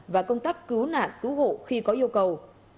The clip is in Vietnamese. và công tác cứu nạn cứu hộ khi có yêu cầu